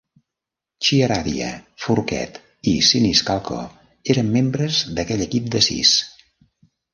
Chiaradia, Forquet i Siniscalco eren membres d'aquell equip de sis.